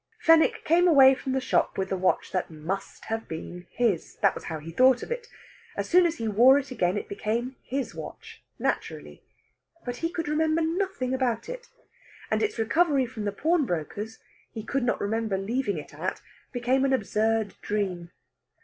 Fenwick came away from the shop with the watch that must have been his. That was how he thought of it. As soon as he wore it again, it became his watch, naturally. But he could remember nothing about it. And its recovery from the pawnbroker's he could not remember leaving it at became an absurd dream.